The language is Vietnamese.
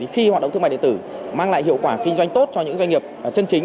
khi hoạt động thương mại điện tử mang lại hiệu quả kinh doanh tốt cho những doanh nghiệp chân chính